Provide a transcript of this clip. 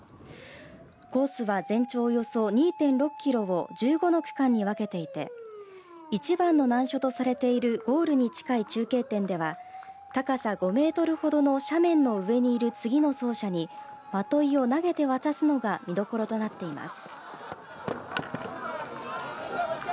コースは全長およそ２．６キロを１５の区間に分けていて一番の難所とされているゴールに近い中継点では高さ５メートルほどの斜面の上にいる次の走者にまといを投げて渡すのが見どころとなっています。